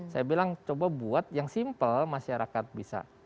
saya bilang coba buat yang simple masyarakat bisa ini dan menyenangkan